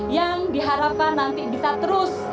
yang diharapkan nanti bisa terus